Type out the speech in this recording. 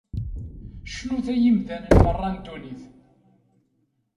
Cnut a imdanen merra n ddunit!